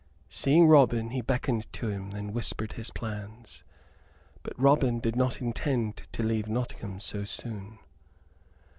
Seeing Robin, he beckoned to him; then whispered his plans. But Robin did not intend to leave Nottingham so soon.